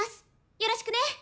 よろしくね。